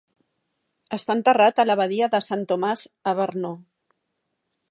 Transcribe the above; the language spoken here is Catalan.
Està enterrat a l'abadia de Sant Tomàs a Brno.